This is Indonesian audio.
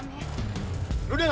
itu dia lah